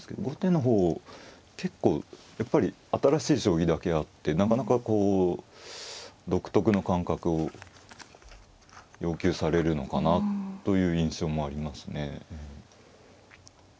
後手の方結構やっぱり新しい将棋だけあってなかなか独特の感覚を要求されるのかなという印象もありますね。